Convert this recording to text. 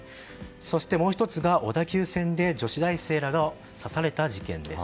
そしてもう１つが小田急線で女子大生らが刺された事件です。